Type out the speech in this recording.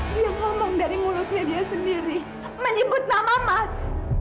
dia ngomong dari mulutnya dia sendiri menyebut nama mas